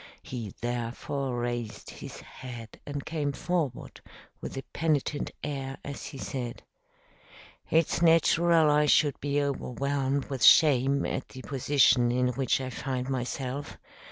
He therefore raised his head and came forward with a penitent air as he said: "It's natural I should be overwhelmed with shame at the position in which I find myself.